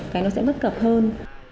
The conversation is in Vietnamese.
cái nó sẽ bất cập hơn